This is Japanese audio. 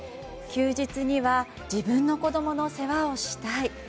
休日には自分の子供の世話をしたい。